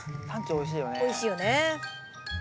おいしいよね。